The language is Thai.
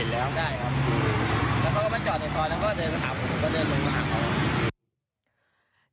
แล้วก็ก็ไปจอดในซอยแล้วก็เดินลงข้างข้าง